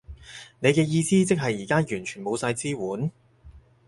你嘅意思即係而家完全冇晒支援？